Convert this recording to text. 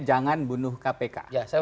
jangan bunuh kpk